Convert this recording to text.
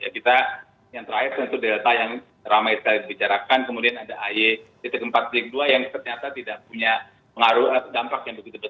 kita yang terakhir tentu delta yang ramai sekali dibicarakan kemudian ada ay empat dua yang ternyata tidak punya pengaruh atau dampak yang begitu besar